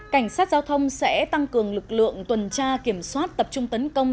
cảnh sát giao thông sẽ tăng cường lực lượng tuần tra kiểm soát tập trung tấn công